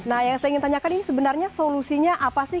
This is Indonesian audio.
nah yang saya ingin tanyakan ini sebenarnya solusinya apa sih